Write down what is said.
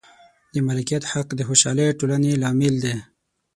د مالکیت حق د خوشحالې ټولنې لامل دی.